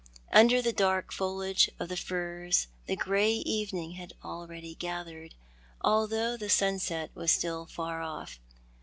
Under the dark foliage of the firs the grey of evening had already gathered, although sunset was still far off.